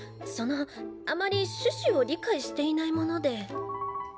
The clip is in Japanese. そのあまり趣旨を理解していないもので。